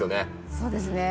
そうですね。